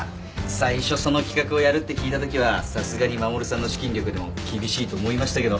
最初その企画をやるって聞いたときはさすがに衛さんの資金力でも厳しいと思いましたけど。